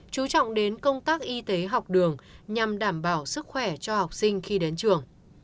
chú trọng đến công tác y tế học đường nhằm đảm bảo sức khỏe cho học sinh khi đến trường